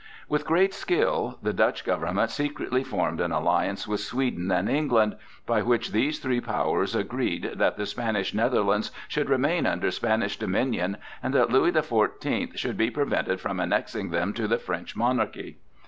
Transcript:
With great skill the Dutch government secretly formed an alliance with Sweden and England by which these three powers agreed that the Spanish Netherlands should remain under Spanish dominion and that Louis the Fourteenth should be prevented from annexing them to the French monarchy.